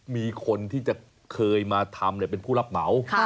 มีคนที่จะเคยมาทำเป็นผู้รับเหมา